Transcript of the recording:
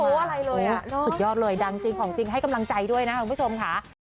สุดยอดเลยดังจริงของจริงให้กำลังใจด้วยนะคุณผู้ชมค่ะ